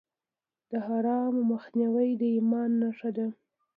د حرامو مخنیوی د ایمان نښه ده.